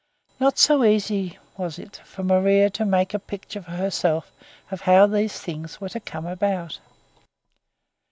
Not easy was it for Maria to make a picture for herself of how these things were to come about.